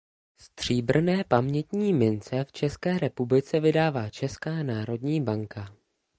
Stříbrné pamětní mince v České republice vydává Česká národní banka.